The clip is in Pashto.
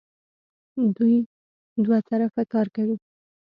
دوه طرفه کار کوي.